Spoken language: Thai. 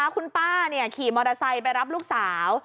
คุณป้าขี่มอเตอร์ไซค์ไปรับลูกสาว